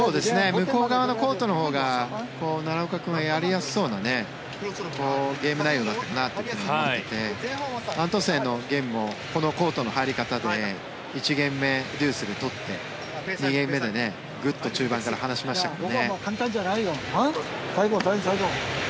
向こう側のコートのほうが奈良岡君がやりやすそうなゲーム内容になっているなと思っていてアントンセンのゲームもこのコートの入り方で１ゲーム目、デュースで取って２ゲーム目でグッと中盤から離しましたよね。